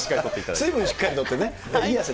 水分しっかりとってね。